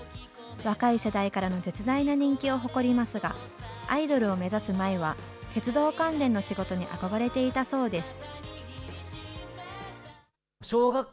若い世代からの絶大な人気を誇りますが、アイドルを目指す前は、鉄道関連の仕事に憧れていたそうです。